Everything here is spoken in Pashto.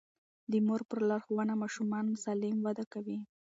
د مور په لارښوونه ماشومان سالم وده کوي.